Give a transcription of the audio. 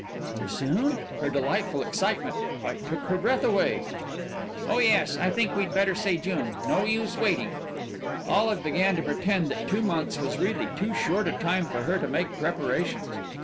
"So soon?" Her delightful excitement quite took her breath away. "Oh, yes, I think we'd better say June. No use waiting." Olive began to pretend that two months was really too short a time for her to make preparations.